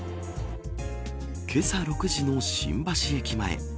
けさ６じの新橋駅前。